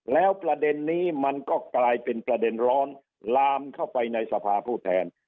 แล้วประเด็นนี้มันก็กลายเป็นประเด็นร้อนลามเข้าไปในสภาผู้แทน